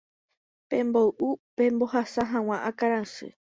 pemboy'u pembohasa hag̃ua akãrasy